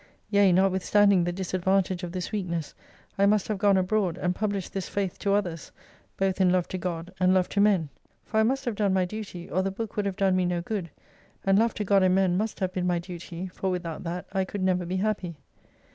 Yea, notwithstanding the disad vantage of this weakness, I must have gone abroad, and published this faith to others, both in love to God, and love to men. For I must have done my duty, or the book would have done me no good, and love to God and men must have been my duty, for without that I could never be happy.